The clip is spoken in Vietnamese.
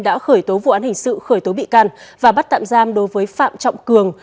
đã khởi tố vụ án hình sự khởi tố bị can và bắt tạm giam đối với phạm trọng cường